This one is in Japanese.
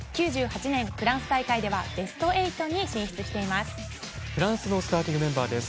９８年フランス大会ではベスト８に進出してます。